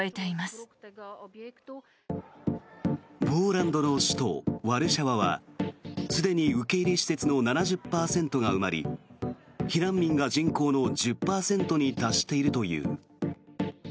ポーランドの首都ワルシャワはすでに受け入れ施設の７０％が埋まり避難民が人口の１０％に達しているという。